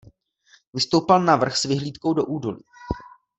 Vystoupal na vrch s vyhlídkou do údolí.